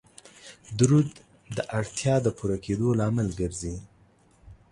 درود د اړتیاو د پوره کیدلو لامل ګرځي